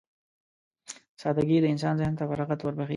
سادهګي د انسان ذهن ته فراغت وربښي.